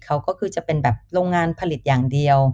เขาก็คือจะเป็นแบบโรงงานผลิตอย่างเดียว